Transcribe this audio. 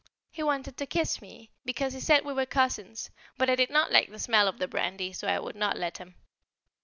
He wanted to kiss me, because he said we were cousins, but I did not like the smell of the brandy, so I would not let him.